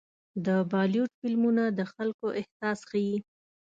د بالیووډ فلمونه د خلکو احساس ښيي.